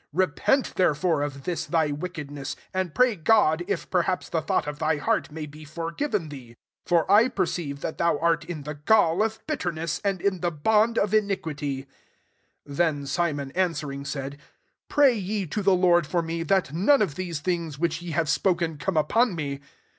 ^ Repent icrefore of this thy wicked ns; and pray God, if perhaps « thought of thy heart may rgiven thee: 23 for I per e that thou art in the gall bitterness, and in the bond quity." 24 Then Simon ering, said, " Pray ye to i the Lord for me, that none of these things which ye have spoken come upon me."